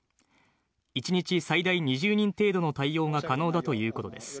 １日最大２０人程度の対応が可能だということです。